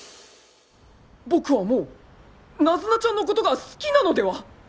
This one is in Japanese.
僕はもうナズナちゃんのことが好きなのでは！？